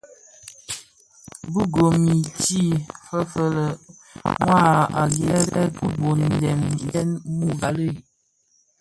Bi gom yi ti feëfëg lè mua aghèsèè ki boo ndem fyeň mü gbali i.